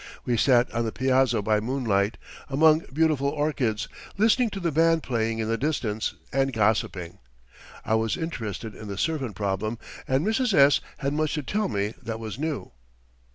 We sat on the piazza by moonlight, among beautiful orchids, listening to the band playing in the distance, and gossiping. I was interested in the servant problem, and Mrs. S. had much to tell me that was new.